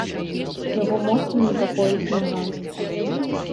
Яго моцна непакоіць нага.